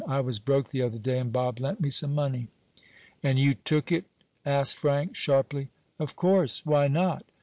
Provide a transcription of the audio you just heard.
"I was broke the other day and Bob lent me some money." "And you took it?" asked Frank, sharply. "Of course. Why not?"